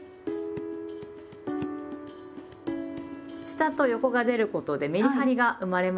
下と横が出ることでメリハリが生まれますよね。